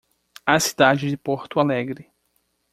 A cidade de Porto Alegre.